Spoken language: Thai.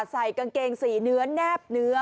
ใส่กางเกงสีเนื้อแนบเนื้อ